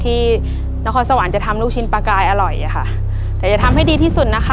ที่นครสวรรค์จะทำลูกชิ้นปลากายอร่อยอะค่ะแต่จะทำให้ดีที่สุดนะคะ